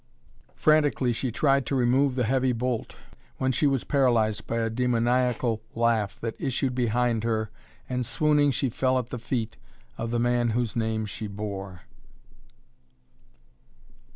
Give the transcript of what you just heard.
Frantically she tried to remove the heavy bolt when she was paralyzed by a demoniacal laugh that issued behind her and swooning she fell at the feet of the man whose name she bore.